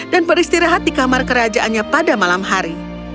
dan beristirahat di kamar kerajaannya pada malam hari